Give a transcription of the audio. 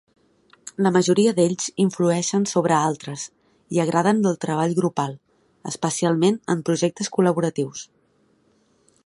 La majoria d'ells influeixen sobre altres i agraden del treball grupal especialment en projectes col·laboratius.